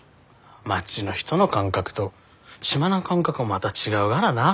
町の人の感覚と島の感覚もまた違うからな。